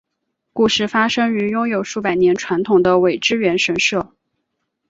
故事发生于拥有数百年传统的苇之原神社。